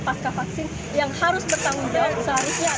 pasca vaksin yang harus bertanggung jawab seharusnya